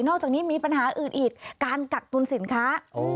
อกจากนี้มีปัญหาอื่นอีกการกักตุนสินค้า